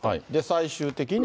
最終的に。